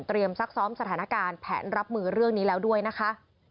ซักซ้อมสถานการณ์แผนรับมือเรื่องนี้แล้วด้วยนะคะ